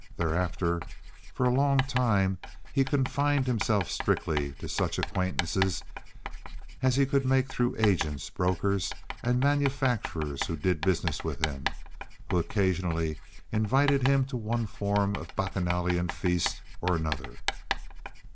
Thereafter for a long time he confined himself strictly to such acquaintances as he could make through agents, brokers, and manufacturers who did business with him, and who occasionally invited him to one form of bacchanalian feast or another.